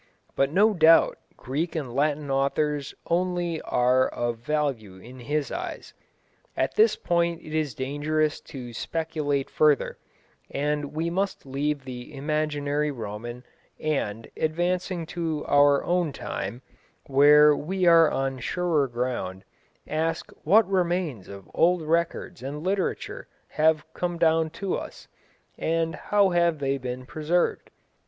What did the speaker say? But no doubt Greek and Latin authors only are of value in his eyes. At this point it is dangerous to speculate further, and we must leave the imaginary Roman, and, advancing to our own time, where we are on surer ground, ask what remnants of old records and literature have come down to us, and how have they been preserved?